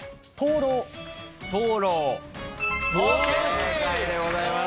正解でございます。